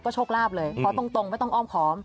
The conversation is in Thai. ก็โชคลาภเลยขอตรงไม่ต้องอ้อมขอม